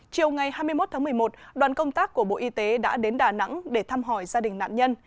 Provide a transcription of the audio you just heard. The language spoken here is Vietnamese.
chiều ngày hai mươi một tháng một mươi một đoàn công tác của bộ y tế đã đến đà nẵng để thăm hỏi gia đình nạn nhân